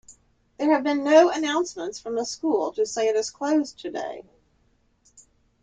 There have been no announcements from the school to say it is closed today.